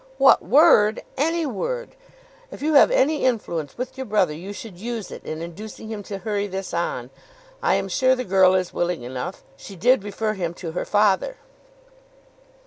"What word? Any word! If you have any influence with your brother you should use it in inducing him to hurry this on. I am sure the girl is willing enough. She did refer him to her father."